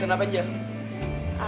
saya teh manis aja jadi mbak